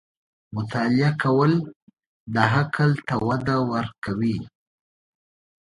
• مطالعه کول، د عقل ته وده ورکوي.